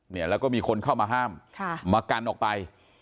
เนี่ยแล้วก็มีคนเข้ามาห้ามค่ะมากันออกไป